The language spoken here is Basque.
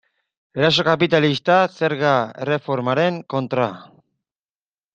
Eraso kapitalista zerga erreformaren kontra.